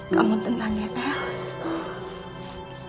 kamu tenang ya nel